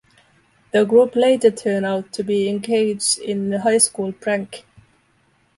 The group later turned out to be engaged in a high school prank.